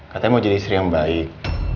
katanya mau jadi istri yang baik